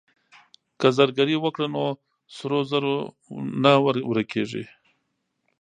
که زرګري وکړو نو سرو زرو نه ورکيږي.